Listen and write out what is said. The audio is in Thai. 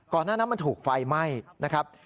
หน้านั้นมันถูกไฟไหม้นะครับ